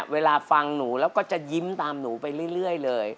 เวลาฟังหนูแล้วก็จะยิ้มตามหนูไปเรื่อยเลย